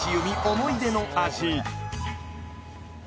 思い出の味